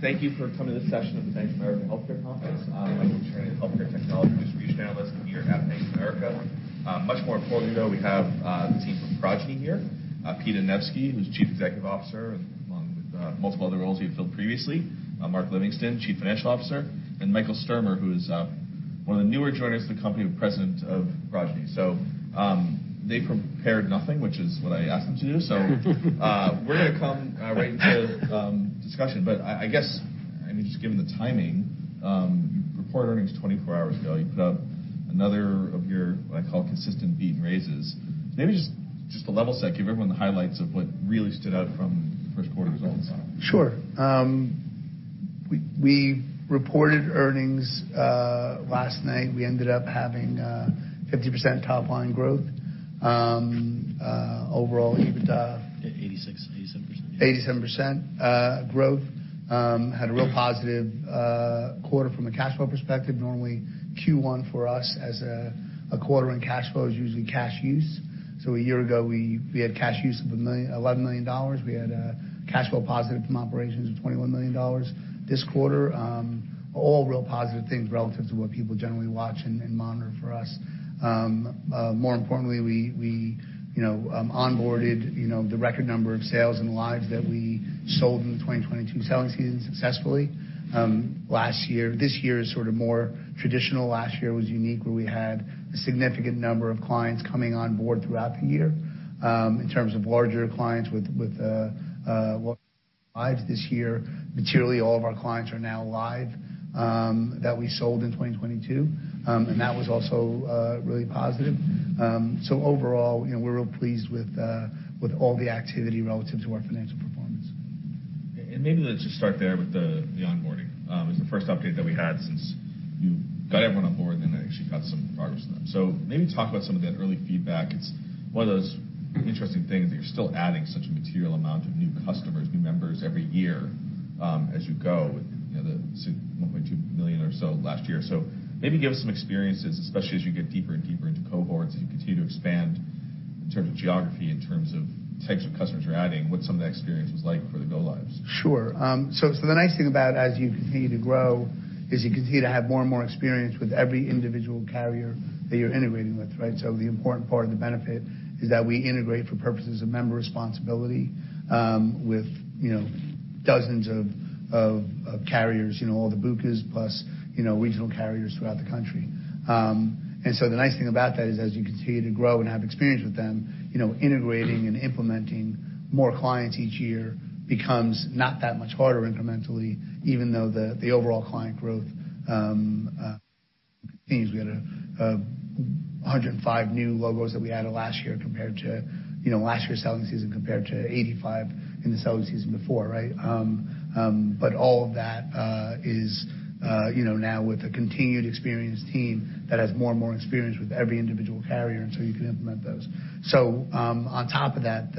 Thank you for coming to this session of the Bank of America Healthcare Conference. I'm a healthcare technology distribution analyst here at Bank of America. Much more importantly, though, we have the team from Progyny here. Pete Anevski, who's Chief Executive Officer, and along with multiple other roles he filled previously. Mark Livingston, Chief Financial Officer, and Michael Sturmer, who is one of the newer joiners of the company, President of Progyny. They prepared nothing, which is what I asked them to do. We're gonna come right into the discussion. I guess, I mean, just given the timing, you reported earnings 24 hours ago. You put up another of your, what I call consistent beat and raises. Maybe just to level set, give everyone the highlights of what really stood out from the Q1 results. Sure. We reported earnings last night. We ended up having 50% top line growth. Overall, EBITDA 87% growth. Had a real positive quarter from a cash flow perspective. Normally, Q1 for us as a quarter in cash flow is usually cash use. A year ago, we had cash use of $11 million. We had cash flow positive from operations of $21 million this quarter. All real positive things relative to what people generally watch and monitor for us. More importantly, we, you know, onboarded, you know, the record number of sales and lives that we sold in the 2022 selling season successfully last year. This year is sort of more traditional. Last year was unique, where we had a significant number of clients coming on board throughout the year, in terms of larger clients with lives this year. Materially, all of our clients are now live that we sold in 2022, and that was also really positive. Overall, you know, we're real pleased with all the activity relative to our financial performance. Maybe let's just start there with the onboarding. It's the first update that we had since you got everyone on board, then actually got some progress on them. Maybe talk about some of that early feedback. It's one of those interesting things that you're still adding such a material amount of new customers, new members every year, as you go with, you know, the 1.2 million or so last year. Maybe give us some experiences, especially as you get deeper and deeper into cohorts, as you continue to expand in terms of geography, in terms of types of customers you're adding, what some of the experience was like for the go lives. Sure. The nice thing about as you continue to grow is you continue to have more and more experience with every individual carrier that you're integrating with, right? The important part of the benefit is that we integrate for purposes of member responsibility, with, you know, dozens of carriers, you know, all the BUCAs plus, you know, regional carriers throughout the country. The nice thing about that is as you continue to grow and have experience with them, you know, integrating and implementing more clients each year becomes not that much harder incrementally, even though the overall client growth means we had 105 new logos that we added last year compared to, you know, last year's selling season compared to 85 in the selling season before, right? All of that is, you know, now with a continued experienced team that has more and more experience with every individual carrier, you can implement those. On top of that,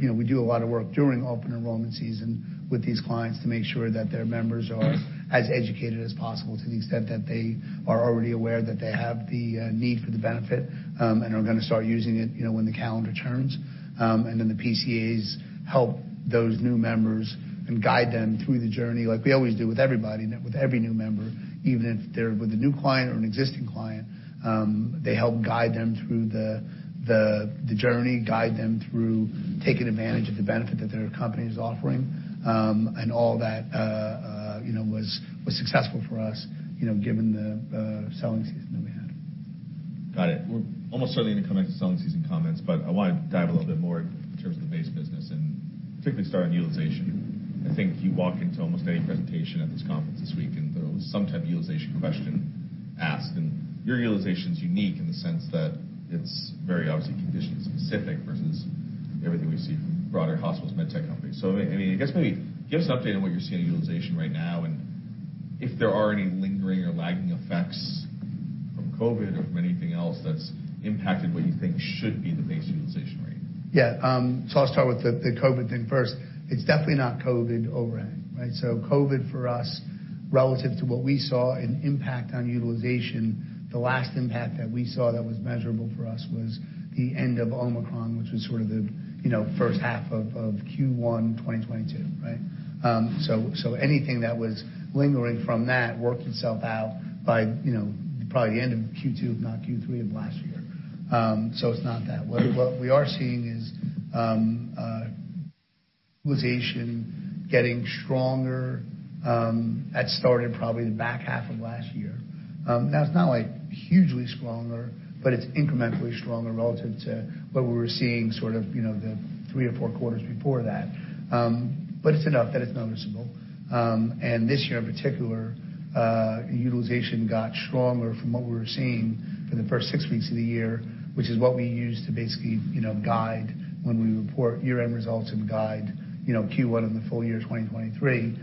you know, we do a lot of work during open enrollment season with these clients to make sure that their members are as educated as possible to the extent that they are already aware that they have the need for the benefit and are gonna start using it, you know, when the calendar turns. The PCAs help those new members and guide them through the journey like we always do with everybody, with every new member. Even if they're with a new client or an existing client, they help guide them through the journey, guide them through taking advantage of the benefit that their company is offering. All that, you know, was successful for us, you know, given the selling season that we had. Got it. We're almost certainly gonna come back to selling season comments, but I wanna dive a little bit more in terms of the base business and particularly start on utilization. I think if you walk into almost any presentation at this conference this week, and there was some type of utilization question asked, and your utilization's unique in the sense that it's very obviously condition-specific versus everything we see from broader hospitals, med tech companies. I mean, I guess maybe give us an update on what you're seeing in utilization right now and if there are any lingering or lagging effects from COVID or from anything else that's impacted what you think should be the base utilization rate. Yeah. I'll start with the COVID thing first. It's definitely not COVID overhang, right? COVID for us, relative to what we saw in impact on utilization, the last impact that we saw that was measurable for us was the end of Omicron, which was sort of the, you know, H1 of Q1 2022, right? Anything that was lingering from that worked itself out by, you know, probably the end of Q2, if not Q3 of last year. It's not that. What we are seeing is utilization getting stronger, that started probably the back half of last year. Now it's not like hugely stronger, but it's incrementally stronger relative to what we were seeing sort of, you know, the three or four quarters before that. It's enough that it's noticeable. And this year in particular, utilization got stronger from what we were seeing for the first six weeks of the year, which is what we use to basically, you know, guide when we report year-end results and guide, you know, Q1 and the full year 2023.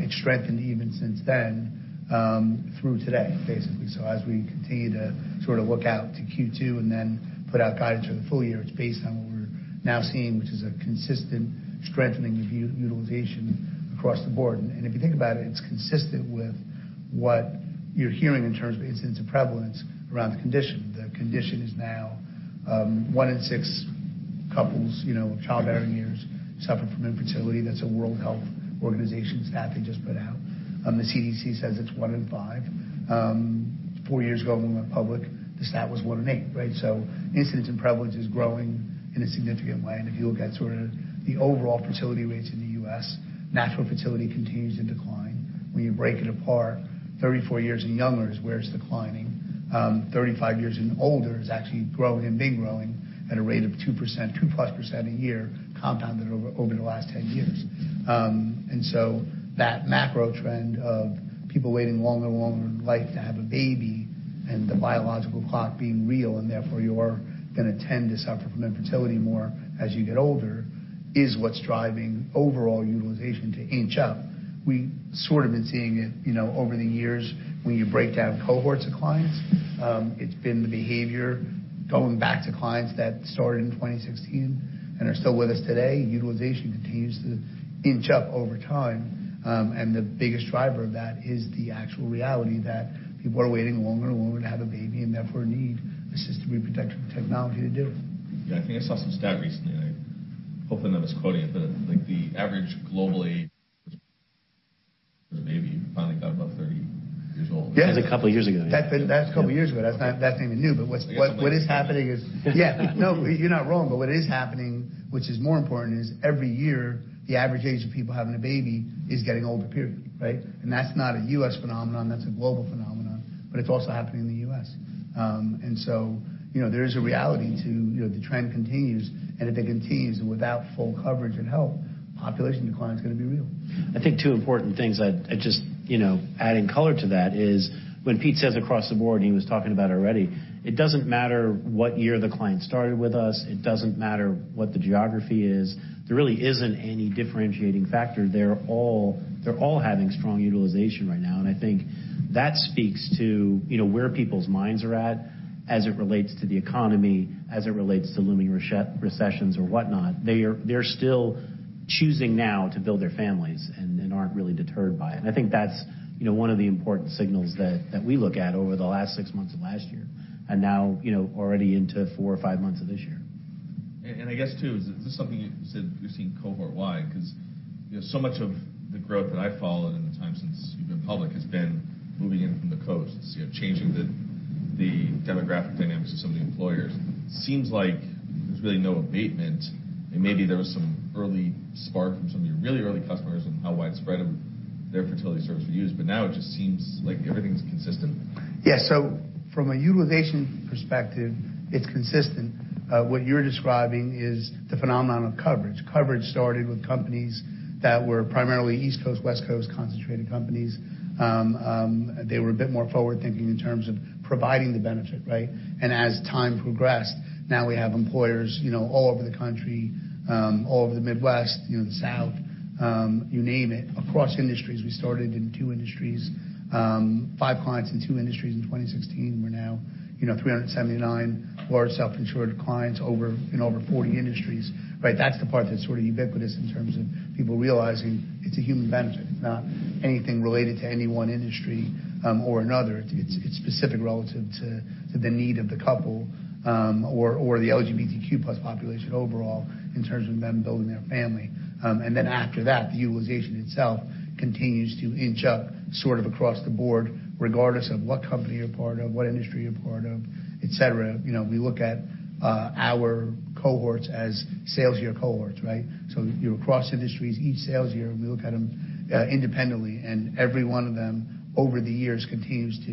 It strengthened even since then, through today, basically. As we continue to sort of look out to Q2 and then put out guidance for the full year, it's based on what we're now seeing, which is a consistent strengthening of utilization across the board. If you think about it's consistent with what you're hearing in terms of incidence and prevalence around the condition. The condition is now, one in six couples, you know, childbearing years suffer from infertility. That's a World Health Organization stat they just put out. The CDC says it's one in five. four years ago, when we went public, the stat was one in eight, right? Incidence and prevalence is growing in a significant way. If you look at sort of the overall fertility rates in the U.S., natural fertility continues to decline. When you break it apart, 34 years and younger is where it's declining. 35 years and older is actually growing and been growing at a rate of 2%, 2+% a year, compounded over the last 10 years. That macro trend of people waiting longer and longer in life to have a baby and the biological clock being real, and therefore you're gonna tend to suffer from infertility more as you get older, is what's driving overall utilization to inch up. We sort of been seeing it, you know, over the years, when you break down cohorts of clients, it's been the behavior going back to clients that started in 2016 and are still with us today. Utilization continues to inch up over time, and the biggest driver of that is the actual reality that people are waiting longer and longer to have a baby, and therefore need assisted reproductive technology to do it. I think I saw some stat recently, and I hope I'm not misquoting it, but like, the average global age for having a baby finally got above 30 years old. Yeah. That was a couple years ago now. That's a couple years ago. That's even new. What is happening is... Yeah. No, you're not wrong. What is happening, which is more important, is every year the average age of people having a baby is getting older, period. Right? That's not a U.S. phenomenon, that's a global phenomenon, but it's also happening in the U.S. You know, there is a reality to, you know, the trend continues, and if it continues and without full coverage and help, population decline is gonna be real. I think two important things I'd just, you know, adding color to that is when Pete says across the board, and he was talking about already, it doesn't matter what year the client started with us, it doesn't matter what the geography is. There really isn't any differentiating factor. They're all having strong utilization right now, and I think that speaks to, you know, where people's minds are at as it relates to the economy, as it relates to looming recessions or whatnot. They're still choosing now to build their families and aren't really deterred by it. I think that's, you know, one of the important signals that we look at over the last six months of last year and now, you know, already into four or five months of this year. I guess, too, is this something you said you're seeing cohort-wide? 'Cause, you know, so much of the growth that I've followed in the time since you've been public has been moving in from the coasts, you know, changing the demographic dynamics of some of the employers. Seems like there's really no abatement. Maybe there was some early spark from some of your really early customers and how widespread of their fertility services were used. Now it just seems like everything's consistent. Yeah. From a utilization perspective, it's consistent. What you're describing is the phenomenon of coverage. Coverage started with companies that were primarily East Coast, West Coast concentrated companies. They were a bit more forward-thinking in terms of providing the benefit, right? As time progressed, now we have employers, you know, all over the country, all over the Midwest, you know, the South, you name it, across industries. We started in two industries, five clients in two industries in 2016. We're now, you know, 379 large self-insured clients over, in over 40 industries, right? That's the part that's sort of ubiquitous in terms of people realizing it's a human benefit. It's not anything related to any one industry, or another. It's specific relative to the need of the couple, or the LGBTQ+ population overall in terms of them building their family. After that, the utilization itself continues to inch up sort of across the board, regardless of what company you're part of, what industry you're part of, et cetera. You know, we look at our cohorts as sales year cohorts, right? So you're across industries each sales year, and we look at them independently, and every one of them over the years continues to,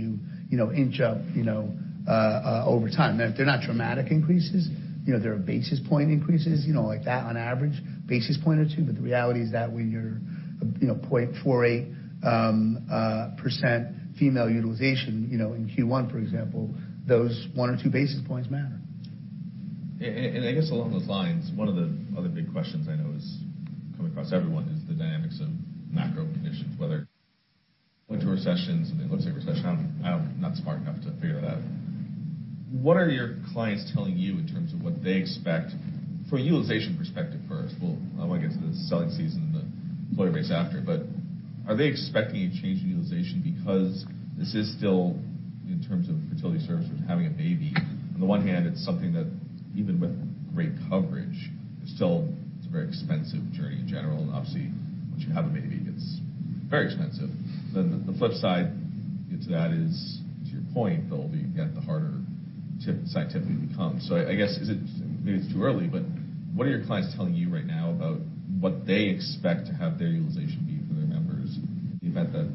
you know, inch up, you know, over time. They're not dramatic increases. You know, they're basis point increases, you know, like that on average, basis point or two. The reality is that when you're, you know, 0.48% female utilization, you know, in Q1, for example, those one or two basis points matter. I guess along those lines, one of the other big questions I know is coming across everyone is the dynamics of macro conditions, whether going through recessions and it looks like a recession. I'm not smart enough to figure that out. What are your clients telling you in terms of what they expect from a utilization perspective first? Well, I wanna get to the selling season and the employee base after. Are they expecting a change in utilization because this is still in terms of fertility services, having a baby, on the one hand, it's something that even with great coverage, it's still, it's a very expensive journey in general. And obviously, once you have a baby, it's very expensive. The, the flip side to that is, to your point, they'll be yet the harder scientific it becomes. I guess is it? maybe it's too early, but what are your clients telling you right now about what they expect to have their utilization be for their members in event that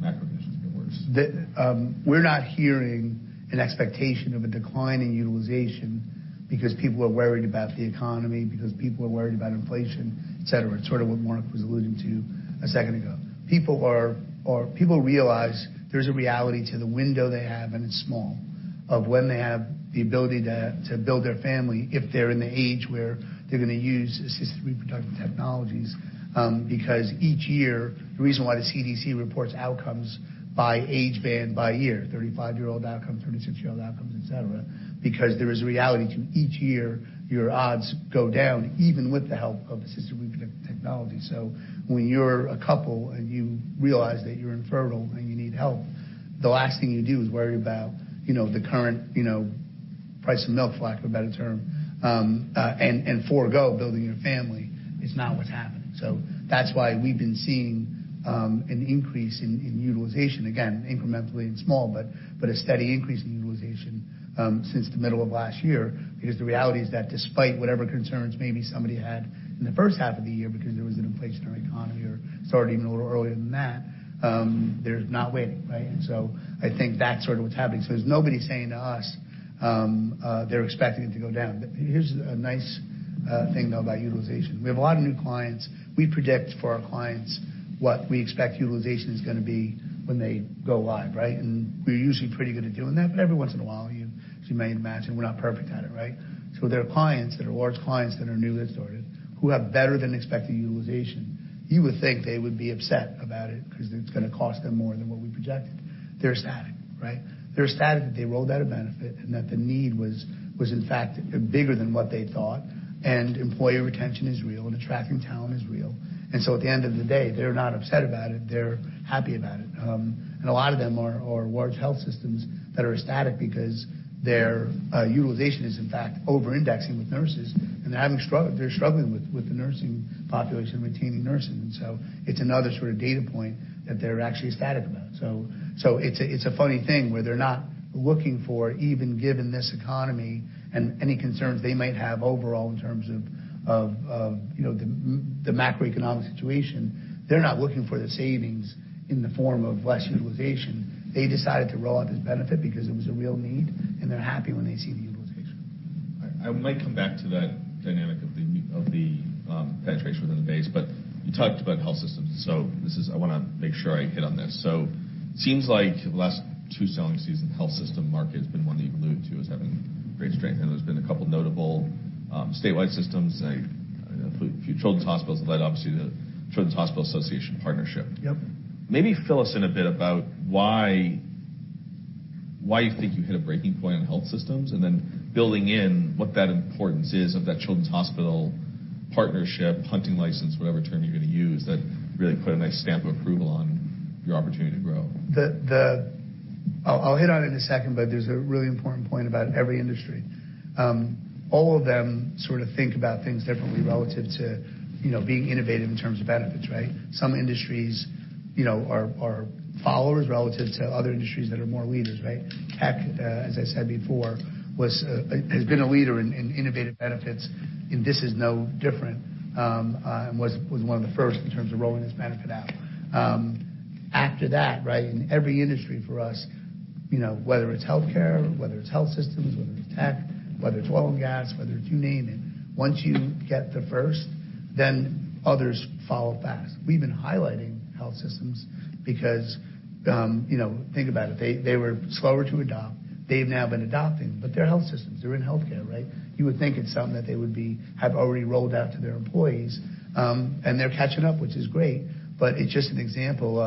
macro conditions get worse? We're not hearing an expectation of a decline in utilization because people are worried about the economy, because people are worried about inflation, et cetera. It's sort of what Mark was alluding to a second ago. People realize there's a reality to the window they have, and it's small. Of when they have the ability to build their family if they're in the age where they're gonna use assisted reproductive technologies. Because each year, the reason why the CDC reports outcomes by age band by year, 35-year-old outcome, 36-year-old outcomes, et cetera, because there is reality to each year, your odds go down even with the help of assisted reproductive technology. When you're a couple and you realize that you're infertile and you need help, the last thing you do is worry about, you know, the current, you know, price of milk, for lack of a better term, and forego building your family. It's not what's happening. That's why we've been seeing an increase in utilization, again, incrementally and small, but a steady increase in utilization since the middle of last year. The reality is that despite whatever concerns maybe somebody had in the H1 of the year because there was an inflation or economy or started even a little earlier than that, they're not waiting, right? I think that's sort of what's happening. There's nobody saying to us, they're expecting it to go down. Here's a nice thing, though, about utilization. We have a lot of new clients. We predict for our clients what we expect utilization is gonna be when they go live, right? We're usually pretty good at doing that, but every once in a while, you, as you may imagine, we're not perfect at it, right? There are clients that are large clients that are newly started who have better than expected utilization. You would think they would be upset about it 'cause it's gonna cost them more than what we projected. They're ecstatic, right? They're ecstatic that they rolled out a benefit and that the need was in fact bigger than what they thought, and employee retention is real and attracting talent is real. At the end of the day, they're not upset about it, they're happy about it. A lot of them are large health systems that are ecstatic because their utilization is in fact over-indexing with nurses, and they're struggling with the nursing population, retaining nurses. It's another sort of data point that they're actually ecstatic about. It's a, it's a funny thing where they're not looking for, even given this economy and any concerns they might have overall in terms of, you know, the macroeconomic situation, they're not looking for the savings in the form of less utilization. They decided to roll out this benefit because it was a real need, and they're happy when they see the utilization. I might come back to that dynamic of the penetration within the base, but you talked about health systems, I wanna make sure I hit on this. Seems like the last two selling seasons, health system market has been one that you've alluded to as having great strength, and there's been a couple notable statewide systems, like, I don't know if you Children's Hospitals that obviously the Children's Hospital Association partnership. Yep. Maybe fill us in a bit about why you think you hit a breaking point on health systems, and then building in what that importance is of that Children's Hospital partnership, hunting license, whatever term you're gonna use, that really put a nice stamp of approval on your opportunity to grow. I'll hit on it in a second. There's a really important point about every industry. All of them sort of think about things differently relative to, you know, being innovative in terms of benefits, right? Some industries, you know, are followers relative to other industries that are more leaders, right? Tech, as I said before, has been a leader in innovative benefits. This is no different. Was one of the first in terms of rolling this benefit out. After that, right, in every industry for us, you know, whether it's healthcare, whether it's health systems, whether it's Tech, whether it's oil and gas, whether it's you name it, once you get the first, then others follow fast. We've been highlighting health systems because, you know, think about it. They were slower to adopt. They've now been adopting, but they're health systems. They're in healthcare, right? You would think it's something that they would have already rolled out to their employees. They're catching up, which is great, but it's just an example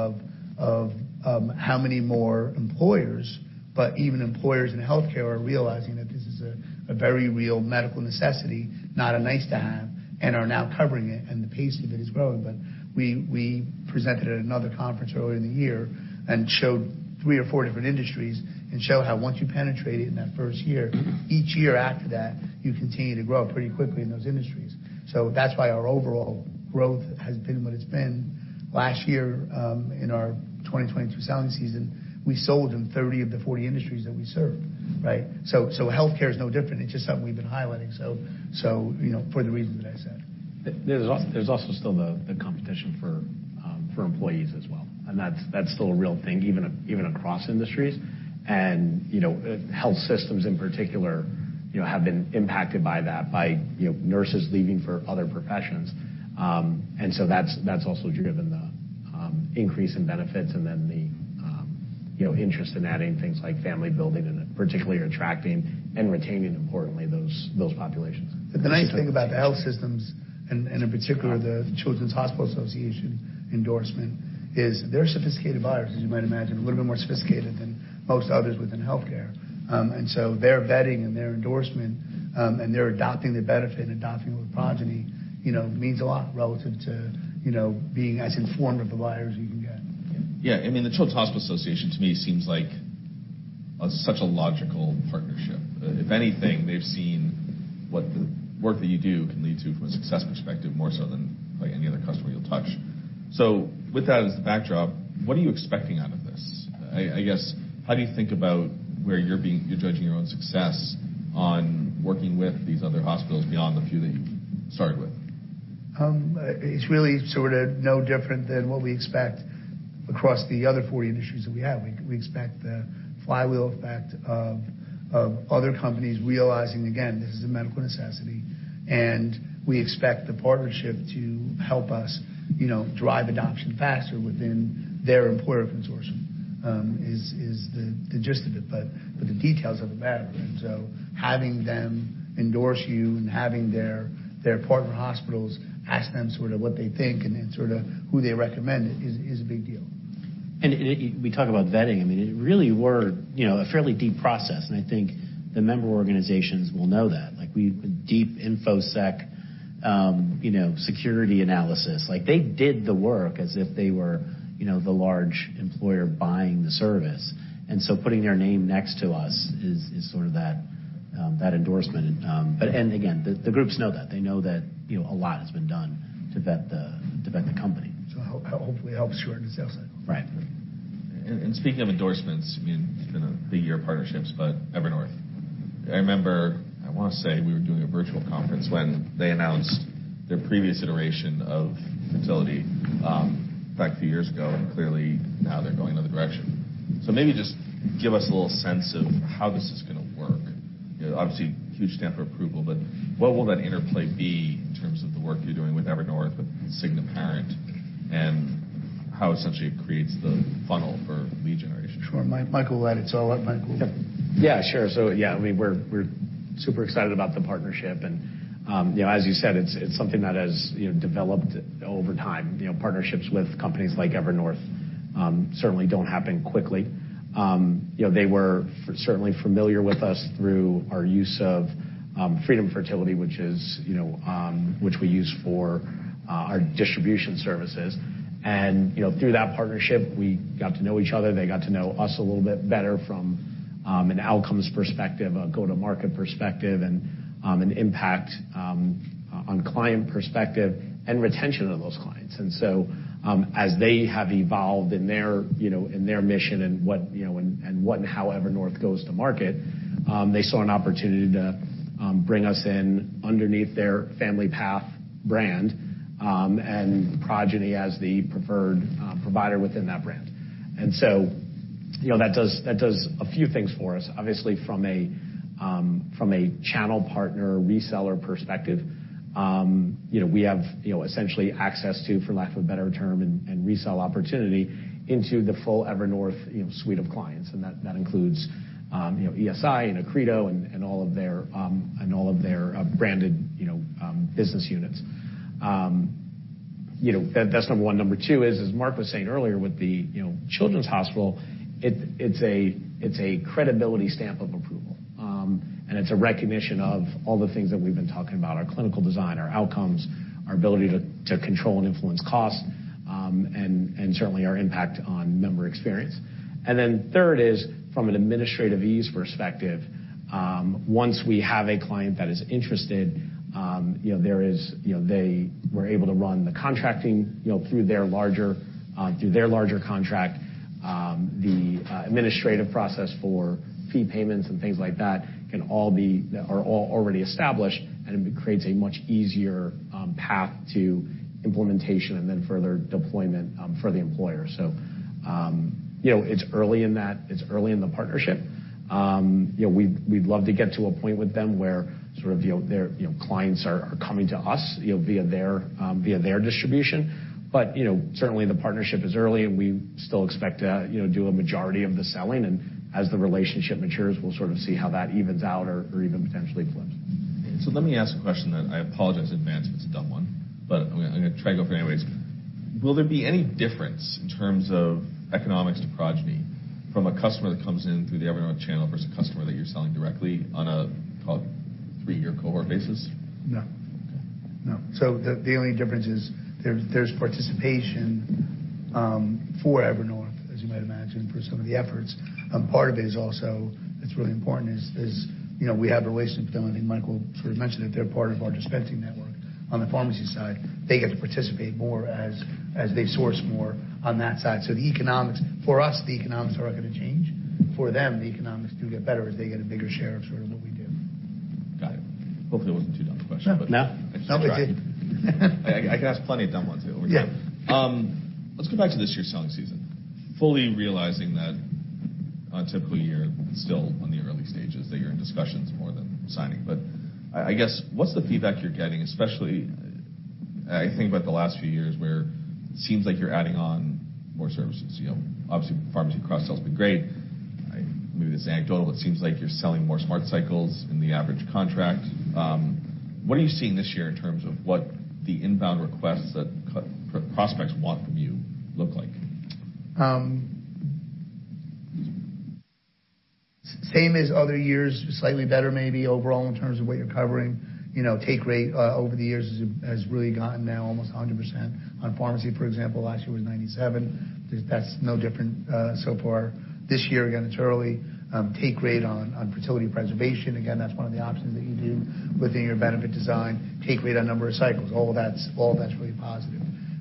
of how many more employers, but even employers in healthcare are realizing that this is a very real medical necessity, not a nice-to-have, and are now covering it, and the pace of it is growing. We presented at another conference earlier in the year and showed three or four different industries and show how once you penetrate it in that first year, each year after that, you continue to grow pretty quickly in those industries. That's why our overall growth has been what it's been. Last year, in our 2022 selling season, we sold in 30 of the 40 industries that we served, right? Healthcare is no different. It's just something we've been highlighting. You know, for the reasons that I said. There's also still the competition for employees as well. That's still a real thing even across industries. You know, health systems in particular, you know, have been impacted by that, by, you know, nurses leaving for other professions. That's also driven the increase in benefits and then the, you know, interest in adding things like family building and particularly attracting and retaining, importantly, those populations. The nice thing about the health systems and in particular the Children's Hospital Association endorsement is they're sophisticated buyers, as you might imagine, a little bit more sophisticated than most others within healthcare. Their vetting and their endorsement, and their adopting the benefit, adopting Progyny, you know, means a lot relative to, you know, being as informed of the buyers you can get. Yeah. I mean, the Children's Hospital Association to me seems like such a logical partnership. If anything, they've seen what the work that you do can lead to from a success perspective more so than like any other customer you'll touch. With that as the backdrop, what are you expecting out of this? I guess, how do you think about where you're judging your own success on working with these other hospitals beyond the few that you started with? It's really sort of no different than what we expect across the other 40 industries that we have. We expect the flywheel effect of other companies realizing, again, this is a medical necessity, and we expect the partnership to help us, you know, drive adoption faster within their employer consortium. Is the gist of it, but the details are what matter. Having them endorse you and having their partner hospitals ask them sort of what they think and then sort of who they recommend is a big deal. We talk about vetting. I mean, it really were, you know, a fairly deep process, and I think the member organizations will know that. Like deep InfoSec, you know, security analysis. Like they did the work as if they were, you know, the large employer buying the service. Putting their name next to us is sort of that endorsement. Again, the groups know that. They know that, you know, a lot has been done to vet the company. Hopefully, it helps shorten the sales cycle. Right. Speaking of endorsements, I mean, it's been a big year of partnerships, but Evernorth. I remember, I wanna say, we were doing a virtual conference when they announced their previous iteration of fertility back a few years ago, and clearly now they're going another direction. Maybe just give us a little sense of how this is gonna work? You know, obviously, huge stamp of approval, but what will that interplay be in terms of the work you're doing with Evernorth with Cigna parent and how essentially it creates the funnel for lead generation? Sure. Michael led it, so I'll let Michael. Yeah, sure. Yeah, we're super excited about the partnership, and, you know, as you said, it's something that has, you know, developed over time. You know, partnerships with companies like Evernorth certainly don't happen quickly. You know, they were certainly familiar with us through our use of Freedom Fertility, which is, you know, which we use for our distribution services. You know, through that partnership, we got to know each other. They got to know us a little bit better from an outcomes perspective, a go-to-market perspective, and an impact on client perspective and retention of those clients. As they have evolved in their, you know, in their mission and what, you know, and what and how Evernorth goes to market, they saw an opportunity to bring us in underneath their FamilyPath brand, and Progyny as the preferred provider within that brand. You know, that does a few things for us. Obviously, from a, from a channel partner, reseller perspective, you know, we have, you know, essentially access to, for lack of a better term, and resell opportunity into the full Evernorth, you know, suite of clients, and that includes, you know, ESI and Accredo and all of their and all of their branded, you know, business units. You know, that's number one. Number two is, as Mark was saying earlier with the, you know, Children's Hospital, it's a, it's a credibility stamp of approval. It's a recognition of all the things that we've been talking about, our clinical design, our outcomes, our ability to control and influence costs, and certainly our impact on member experience. Third is from an administrative ease perspective, once we have a client that is interested, you know, there is. You know, they were able to run the contracting, you know, through their larger, through their larger contract. The administrative process for fee payments and things like that are all already established, and it creates a much easier path to implementation and then further deployment for the employer. You know, it's early in that. It's early in the partnership. You know, we'd love to get to a point with them where sort of, you know, their, you know, clients are coming to us, you know, via their distribution. Certainly, you know, the partnership is early, and we still expect to, you know, do a majority of the selling. As the relationship matures, we'll sort of see how that evens out or even potentially flips. Let me ask a question that I apologize in advance if it's a dumb one, but I'm gonna try to go for it anyways? Will there be any difference in terms of economics to Progyny from a customer that comes in through the Evernorth channel versus a customer that you're selling directly on a call it three-year cohort basis? No. Okay. No. The only difference is there's participation for Evernorth, as you might imagine, for some of the efforts. Part of it is also that's really important is, you know, we have a relationship, I think Michael sort of mentioned it, they're part of our dispensing network on the pharmacy side. They get to participate more as they source more on that side. The economics, for us, the economics are not gonna change. For them, the economics do get better as they get a bigger share of sort of what we do. Got it. Hopefully, it wasn't too dumb a question. No. No. No, it was good. I can ask plenty of dumb ones here. Yeah. Let's go back to this year's selling season. Fully realizing that on a typical year, still in the early stages, that you're in discussions more than signing. I guess, what's the feedback you're getting, especially, I think about the last few years where seems like you're adding on more services. You know, obviously pharmacy cross-sells been great. Maybe it's anecdotal, but it seems like you're selling more Smart Cycles in the average contract. What are you seeing this year in terms of what the inbound requests that prospects want from you look like? Same as other years, slightly better maybe overall in terms of what you're covering. You know, take rate over the years has really gotten now almost 100%. On pharmacy, for example, last year was 97%. That's no different so far this year. Again, it's early. Take rate on fertility preservation, again, that's one of the options that you do within your benefit design. Take rate on number of cycles, all of that's really positive.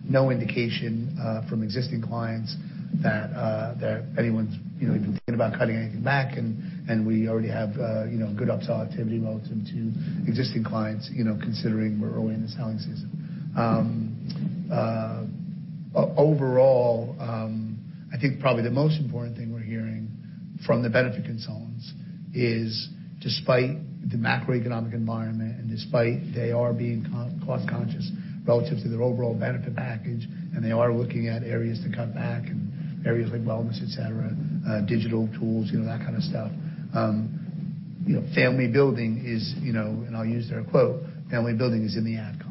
No indication from existing clients that anyone's, you know, even thinking about cutting anything back. We already have, you know, good upsell activity relative to existing clients, you know, considering we're early in the selling season. I think probably the most important thing we're hearing From the benefit concerns is despite the macroeconomic environment and despite they are being cost conscious relative to their overall benefit package, and they are looking at areas to cut back and areas like wellness, et cetera, digital tools, you know, that kind of stuff. You know, family building is, you know, and I'll use their quote, "Family building is in the ad column."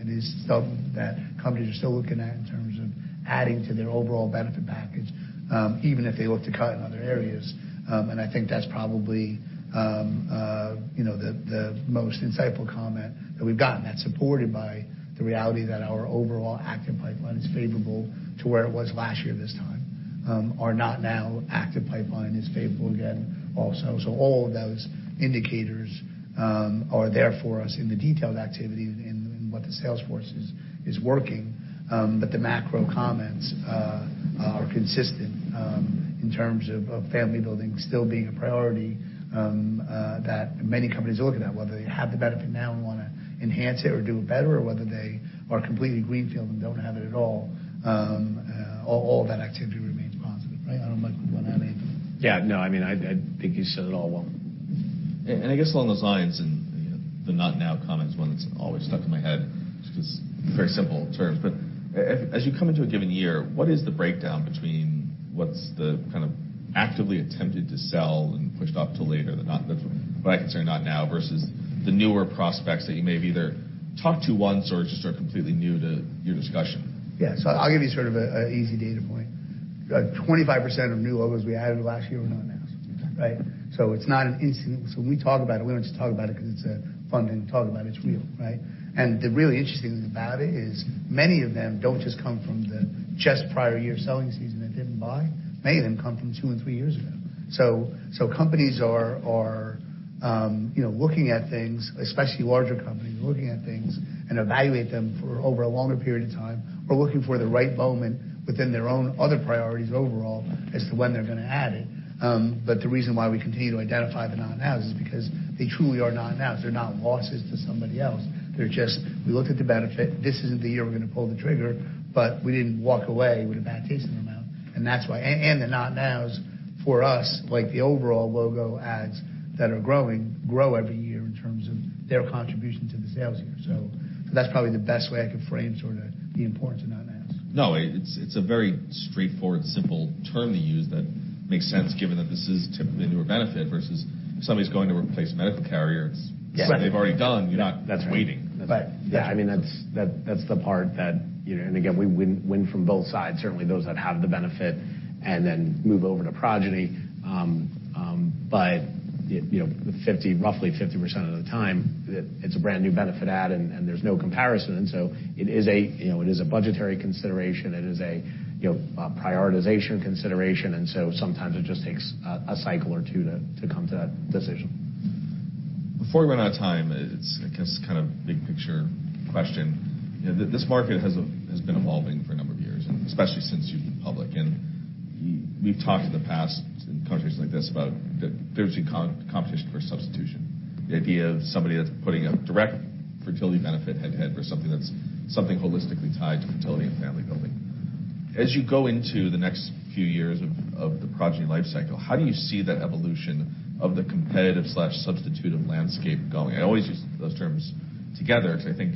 It is something that companies are still looking at in terms of adding to their overall benefit package, even if they look to cut in other areas. I think that's probably, you know, the most insightful comment that we've gotten that's supported by the reality that our overall active pipeline is favorable to where it was last year this time. Our not now active pipeline is favorable again also. All of those indicators are there for us in the detailed activity in what the sales force is working. The macro comments are consistent in terms of family building still being a priority that many companies are looking at, whether they have the benefit now and wanna enhance it or do it better, or whether they are completely greenfield and don't have it at all. All of that activity remains positive. Right. I don't know, Michael, you wanna add anything? Yeah. No, I mean, I think you said it all well. I guess along those lines, you know, the not now comment is one that's always stuck in my head, just 'cause very simple terms. As you come into a given year, what is the breakdown between what's the kind of actively attempted to sell and pushed up till later, what I consider not now versus the newer prospects that you may have either talked to once or just are completely new to your discussion? Yeah. I'll give you sort of a easy data point. 25% of new logos we added last year were not nows. Okay. Right? It's not an instant. We talk about it. We don't just talk about it 'cause it's fun to talk about, it's real, right? The really interesting thing about it is many of them don't just come from the just prior year selling season and didn't buy. Many of them come from two and three years ago. Companies, you know, looking at things, especially larger companies, looking at things and evaluate them for over a longer period of time or looking for the right moment within their own other priorities overall as to when they're gonna add it. The reason why we continue to identify the not nows is because they truly are not nows. They're not losses to somebody else. They're just, we looked at the benefit. This isn't the year we're gonna pull the trigger, but we didn't walk away with a bad taste in our mouth. That's why... The not nows for us, like the overall logo ads that are growing, grow every year in terms of their contribution to the sales year. That's probably the best way I could frame sort of the importance of not nows. No, it's a very straightforward, simple term to use that makes sense given that this is typically a newer benefit versus if somebody's going to replace a medical carrier. Yes. They've already done. You're not waiting. That's right. Yeah, I mean, that's the part that, you know. Again, we win from both sides. Certainly those that have the benefit and then move over to Progyny. You know, roughly 50% of the time it's a brand new benefit add and there's no comparison. It is a, you know, a budgetary consideration. It is a, you know, a prioritization consideration. Sometimes it just takes a cycle or two to come to that decision. Before we run out of time, it's, I guess, kind of big picture question. You know, this market has been evolving for a number of years, and especially since you've been public. You, we've talked in the past in conversations like this about the difference between competition versus substitution. The idea of somebody that's putting a direct fertility benefit head to head versus something that's something holistically tied to fertility and family building. As you go into the next few years of the Progyny life cycle, how do you see that evolution of the competitive/substitutive landscape going? I always use those terms together 'cause I think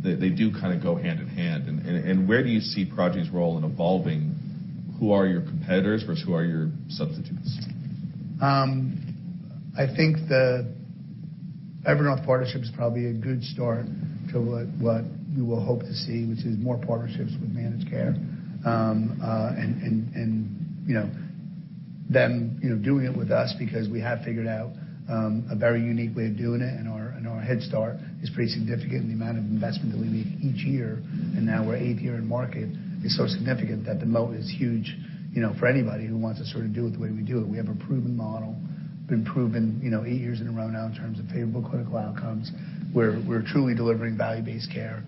they do kind of go hand in hand. Where do you see Progyny's role in evolving who are your competitors versus who are your substitutes? I think the Evernorth partnership is probably a good start to what you will hope to see, which is more partnerships with managed care. You know, them, you know, doing it with us because we have figured out a very unique way of doing it and our head start is pretty significant in the amount of investment that we make each year. Now we're eight year in market is so significant that the moat is huge, you know, for anybody who wants to sort of do it the way we do it. We have a proven model. Been proven, you know, eight years in a row now in terms of favorable clinical outcomes. We're truly delivering value-based care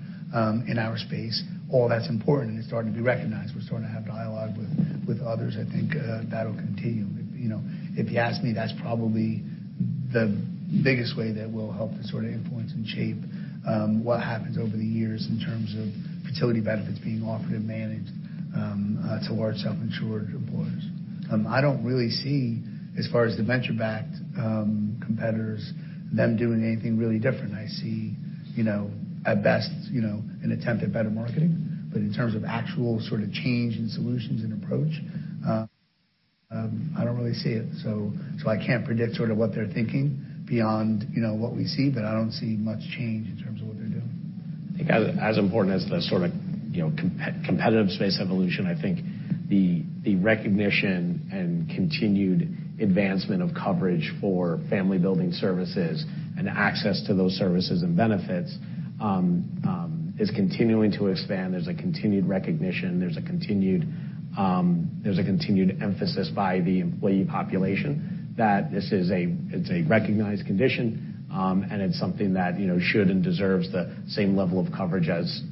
in our space. All that's important. It's starting to be recognized. We're starting to have dialogue with others. I think that'll continue. You know, if you ask me, that's probably the biggest way that we'll help to sort of influence and shape what happens over the years in terms of fertility benefits being offered and managed towards self-insured employers. I don't really see as far as the venture backed competitors, them doing anything really different. I see, you know, at best, you know, an attempt at better marketing. In terms of actual sort of change in solutions and approach, I don't really see it. I can't predict sort of what they're thinking beyond, you know, what we see, but I don't see much change in terms of what they're doing. I think as important as the sort of, you know, competitive space evolution, I think the recognition and continued advancement of coverage for family building services and access to those services and benefits is continuing to expand. There's a continued recognition. There's a continued, there's a continued emphasis by the employee population that it's a recognized condition, and it's something that, you know, should and deserves the same level of coverage as,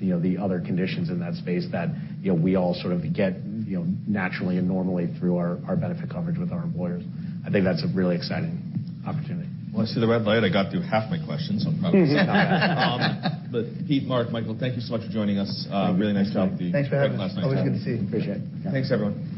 you know, the other conditions in that space that, you know, we all sort of get, you know, naturally and normally through our benefit coverage with our employers. I think that's a really exciting opportunity. Well, I see the red light. I got through half my questions. I'm proud of myself for that. Pete, Mark, Michael, thank you so much for joining us. Really nice to meet you. Thanks for having us. Thanks for having us. Always good to see you. Appreciate it. Yeah. Thanks, everyone.